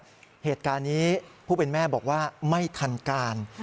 เหตุการณ์นี้ผู้เป็นแม่บอกว่าไม่ทันการ